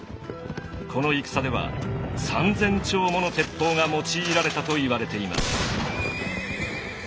この戦では３，０００丁もの鉄砲が用いられたといわれています。